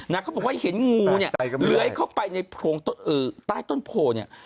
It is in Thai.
เขาบอกว่าเห็นงูเนี่ยเลื้อยเข้าไปในโพรงใต้ต้นโพเนี่ย